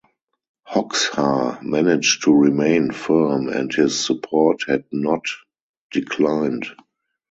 Hoxha managed to remain firm and his support had not declined.